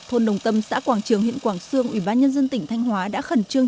thôn đồng tâm xã quảng trường huyện quảng sương ủy ban nhân dân tỉnh thanh hóa đã khẩn trương